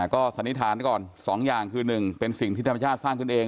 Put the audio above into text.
ก็สันนิษฐานก่อน๒อย่างคือ๑เป็นสิ่งที่ธรรมชาติสร้างขึ้นเอง